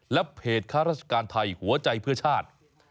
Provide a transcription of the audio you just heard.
และเพจข้าราชการไทยหัวใจเพื่อชาติ